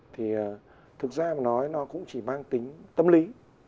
thì thực ra mà nói nó cũng chỉ mang tính tâm lý